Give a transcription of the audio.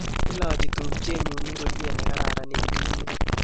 Ilochi tupchennyu ngoryet ne kararan eng' tumwek